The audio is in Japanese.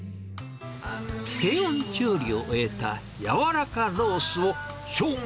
低温調理を終えた柔らかロースをショウガ